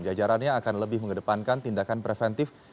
jajarannya akan lebih mengedepankan tindakan preventif